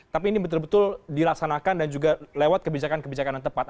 tapi ini betul betul dilaksanakan dan juga lewat kebijakan kebijakan yang tepat